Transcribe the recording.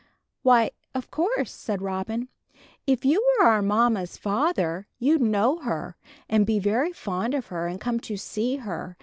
"Why, of course," said Robin, "if you were our mamma's father, you'd know her, and be very fond of her, and come to see her.